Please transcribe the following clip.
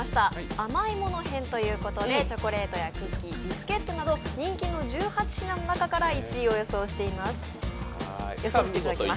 甘いもの編ということでチョコレートやクッキービスケットなど人気の１８品の中から１位を予想していただきます。